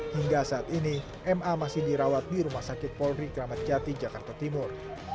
hingga saat ini ma masih dirawat di rumah sakit polri kramat jati jakarta timur